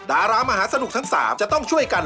ดารามหาสนุกทั้ง๓จะต้องช่วยกัน